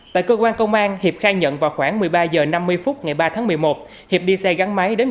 tại cơ quan công an hiệp khai nhận vào khoảng một mươi ba h năm mươi phút ngày ba tháng một mươi một hiệp đi xe gắn máy đến